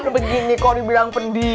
begini kok dibilang pendiam